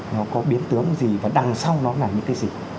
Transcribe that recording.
nó có biến tướng gì và đằng sau nó là những cái gì